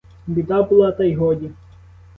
Біда була, та й годі.